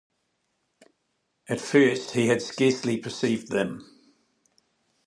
At first he had scarcely perceived them.